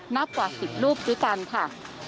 นับกว่า๑๐รูปด้วยกันค่ะ